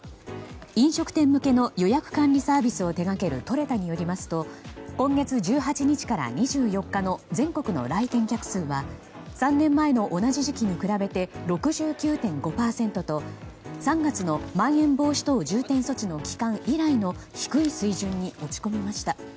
飲食店向けの予約管理サービスを手掛けるトレタによりますと今月１８日から２４日の全国の来店客数は３年前の同じ時期に比べて６９．５％と３月のまん延防止等重点措置の期間以来の低い水準に落ち込みました。